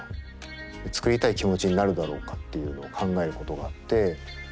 作りたい気持ちになるだろうかっていうのを考えることがあって。